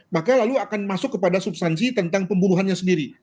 maka lalu akan masuk kepada substansi tentang pembunuhannya sendiri